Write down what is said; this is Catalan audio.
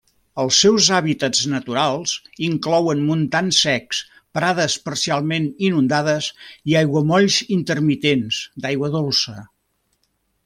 Els seus hàbitats naturals inclouen montans secs, prades parcialment inundades i aiguamolls intermitents d'aigua dolça.